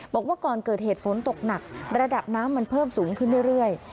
บอกว่าก่อนเกิดเหตุฝนตกหนักระดับน้ำมันเพิ่มสูงขึ้นเรื่อย